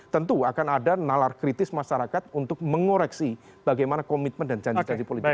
tentu akan ada nalar kritis masyarakat untuk mengoreksi bagaimana komitmen dan janji janji politik